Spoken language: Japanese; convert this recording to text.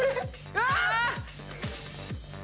うわ！